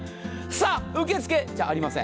受け付けじゃありません。